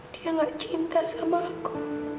dia gak cinta sama aku